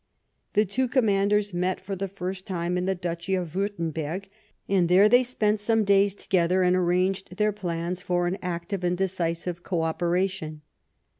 The two commanders met for the first time in the duchy of Wiirtemberg, and there they spent some days together and arranged their plans for an active and decisive co operation.